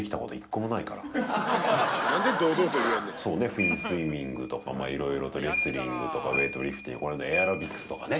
フィンスイミングとかまあ色々とレスリングとかウエイトリフティングエアロビクスとかね